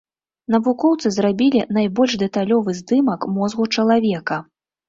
Навукоўцы зрабілі найбольш дэталёвы здымак мозгу чалавека.